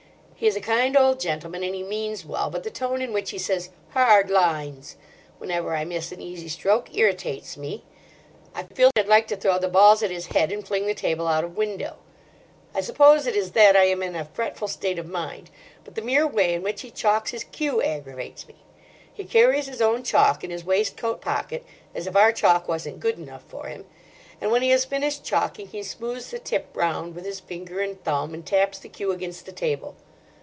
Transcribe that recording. He is a kind old gentleman and he means well, but the tone in which he says "Hard lines!" whenever I miss an easy stroke irritates me. I feel I'd like to throw the balls at his head and fling the table out of window. I suppose it is that I am in a fretful state of mind, but the mere way in which he chalks his cue aggravates me. He carries his own chalk in his waistcoat pocket—as if our chalk wasn't good enough for him—and when he has finished chalking, he smooths the tip round with his finger and thumb and taps the cue against the table.